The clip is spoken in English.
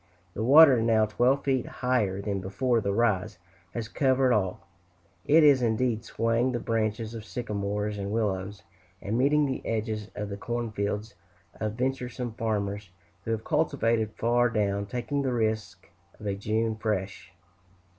The water, now twelve feet higher than before the rise, has covered all; it is, indeed, swaying the branches of sycamores and willows, and meeting the edges of the corn fields of venturesome farmers who have cultivated far down, taking the risk of a "June fresh."